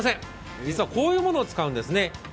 実はこういうものを使うんですね。